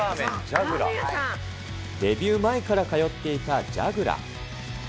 デビュー前から通っていたじゃぐら。